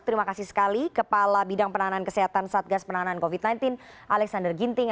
terima kasih sekali kepala bidang penanganan kesehatan satgas penanganan covid sembilan belas alexander ginting